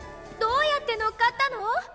どうやって乗っかったの？